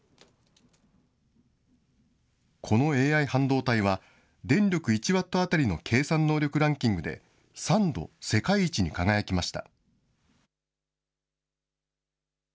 このＡＩ半導体は電力１ワット当たりの計算能力ランキングで３度世界一に輝きました。